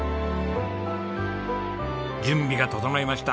準備が整いました。